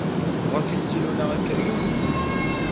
Ɣur-k astilu neɣ akeryun?